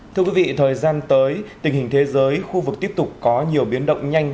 thưa quý vị thời gian tới tình hình thế giới khu vực tiếp tục có nhiều biến động nhanh